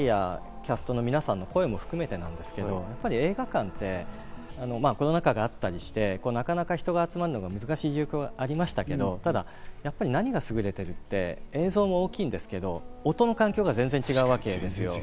２人やキャストの皆さんの声も含めてなんですけど、映画館ってコロナ禍があったりして、なかなか人が集まるのが難しい状況がありましたけど、何がすぐれているって、映像も大きいんですけど、音の環境が全然違うわけです。